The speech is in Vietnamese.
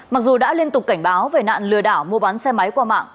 mặc dù đã liên tục cảnh báo về nạn lừa đảo mua bán xe máy qua mạng